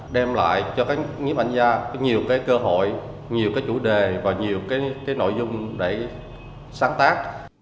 đem lại cho các nhiếp ảnh gia nhiều cái cơ hội nhiều cái chủ đề và nhiều cái nội dung để sáng tác